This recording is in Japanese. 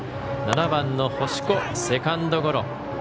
７番の星子セカンドゴロ。